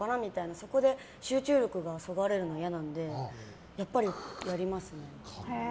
そこで集中力がそがれるのが嫌なのでやっぱり、やりますね。